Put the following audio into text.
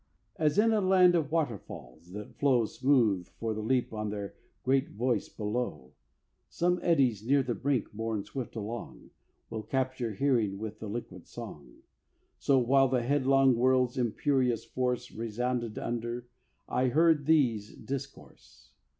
As in a land of waterfalls, that flow Smooth for the leap on their great voice below, Some eddies near the brink borne swift along, Will capture hearing with the liquid song, So, while the headlong world's imperious force Resounded under, heard I these discourse.